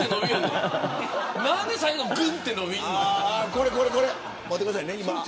何で最後ぐんって伸びるの。